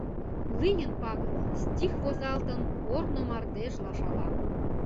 Лийын пагыт — стих возалтын корно мардежла шала.